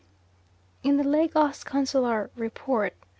In the Lagos Consular Report (No.